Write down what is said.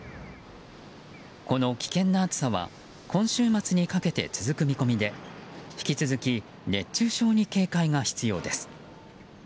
この危険な暑さは今週末にかけて続く見込みで引き続き熱中症に警戒が必要です。